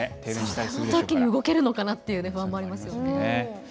そのときに動けるのかなという不安もありますね。